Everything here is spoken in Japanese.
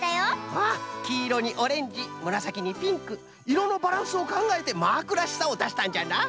わっきいろにオレンジむらさきにピンクいろのバランスをかんがえてマークらしさをだしたんじゃな。